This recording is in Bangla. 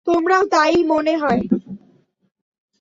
তোমারও তা-ই মনে হয়?